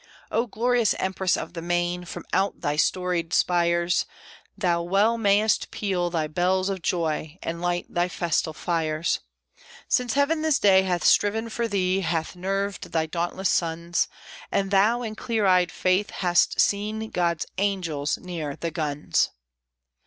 O glorious Empress of the Main! from out thy storied spires Thou well mayst peal thy bells of joy, and light thy festal fires, Since Heaven this day hath striven for thee, hath nerved thy dauntless sons, And thou in clear eyed faith hast seen God's angels near the guns!